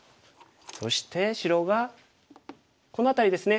そして白がこの辺りですね